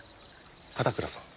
片倉さん。